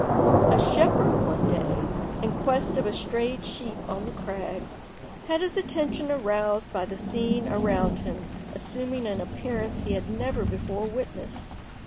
A shepherd one day, in quest of a strayed sheep on the crags, had his attention aroused by the scene around him assuming an appearance he had never before witnessed.